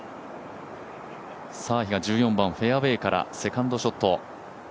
比嘉、１４番、フェアウエーからセカンドショット。